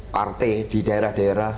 parti di daerah daerah